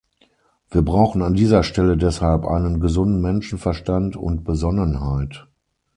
Wir brauchen an dieser Stelle deshalb einen gesunden Menschenverstand und Besonnenheit.